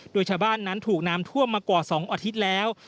โดยชาวบ้านนั้นถูกน้ำท่วมมากว่า๒อาทิตย์แล้ว